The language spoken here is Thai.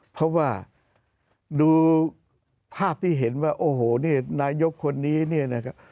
เพราะว่าดูภาพที่เห็นว่าโอ้โหนี่นายกคนนี้เนี่ยนะครับ